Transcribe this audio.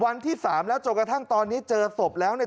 วันที่๓แล้วจนกระทั่งตอนนี้เจอศพแล้วเนี่ย